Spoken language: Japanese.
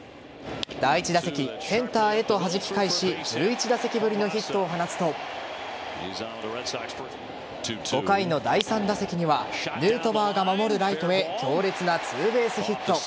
第１打席センターへとはじき返し１１打席ぶりのヒットを放つと５回の第３打席にはヌートバーが守るライトへ強烈なツーベースヒット。